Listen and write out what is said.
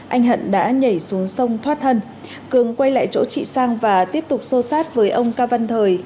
anh hận đã nhảy xuống sông thoát thân cường quay lại chỗ chị sang và tiếp tục xô sát với ông cao văn thời